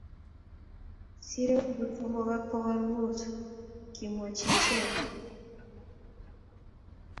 Sirei alibu somok ak bokol muut, kimwochii icheek.